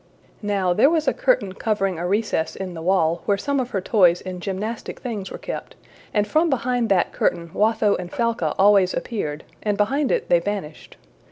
Now, there was a curtain covering a recess in the wall, where some of her toys and gymnastic things were kept; and from behind that curtain Watho and Falca always appeared, and behind it they vanished.